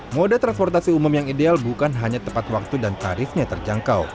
moda transportasi umum yang ideal bukan hanya tepat waktu dan tarifnya terjangkau